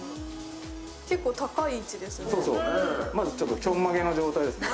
結構高い位置ですね。